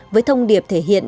với thông điệp thể hiện